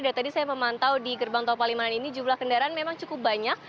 dan tadi saya memantau di gerbang tol palimanan ini jumlah kendaraan memang cukup banyak